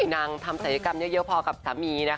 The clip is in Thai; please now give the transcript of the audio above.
นางทำศัยกรรมเยอะพอกับสามีนะคะ